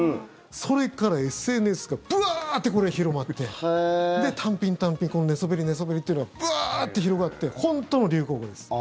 それからＳＮＳがブワーッてこれが広まってタンピン、タンピン寝そべり、寝そべりというのがブワーッて広がって本当の流行語です。